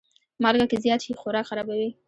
مالګه که زیاته شي، خوراک خرابوي.